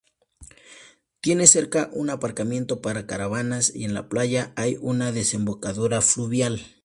Tiene cerca un aparcamiento para caravanas y en la playa hay una desembocadura fluvial.